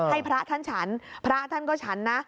ให้พระท่านฉันพระท่านก็ฉันนะ